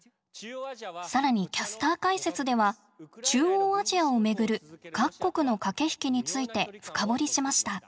更にキャスター解説では中央アジアをめぐる各国の駆け引きについて深掘りしました。